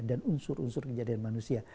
dan unsur unsur kejadian manusia